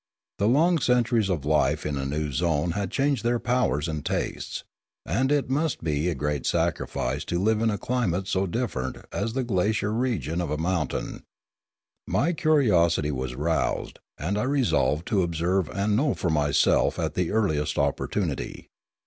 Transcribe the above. The long centuries of life in a new zone had changed their powers and tastes, and it must be a great sacrifice to live in a climate so different as was the glacier region of a mountain. My curiosity was roused, and I resolved to observe and know for myself at the earliest opportunity.